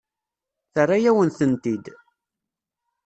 Terra-yawen-tent-id.